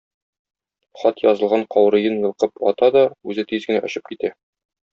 Хат язылган каурыен йолкып ата да, үзе тиз генә очып китә.